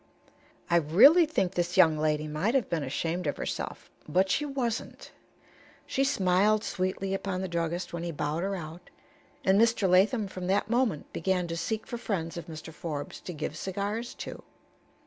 I really think this young lady might have been ashamed of herself; but she wasn't. She smiled sweetly upon the druggist when he bowed her out, and Mr. Latham from that moment began to seek for friends of Mr. Forbes to give cigars to.